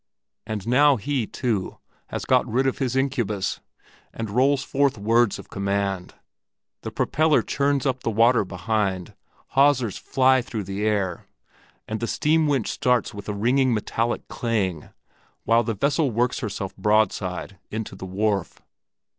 And now he, too, has got rid of his incubus, and rolls forth words of command; the propeller churns up the water behind, hawsers fly through the air, and the steam winch starts with a ringing metallic clang, while the vessel works herself broadside in to the wharf.